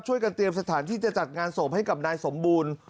เตรียมสถานที่จะจัดงานศพให้กับนายสมบูรณ์